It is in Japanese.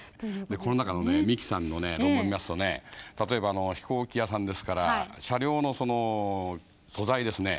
この中のね三木さんのね論文見ますとね例えば飛行機屋さんですから車両の素材ですね